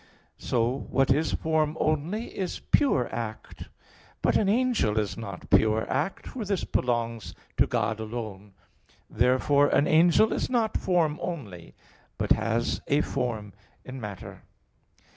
So what is form only is pure act. But an angel is not pure act, for this belongs to God alone. Therefore an angel is not form only, but has a form in matter.